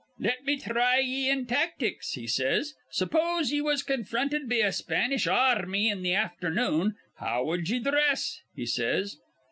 'Let me thry ye in tactics,' he says. 'Suppose ye was confronted be a Spanish ar rmy in th' afthernoon, how wud ye dhress?' he says.